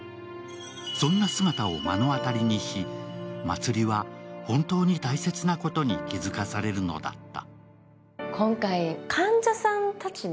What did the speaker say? そんな姿を目の当たりにし、茉莉は本当に大切なことに気付かされるのだった。